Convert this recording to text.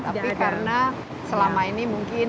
tapi karena selama ini mungkin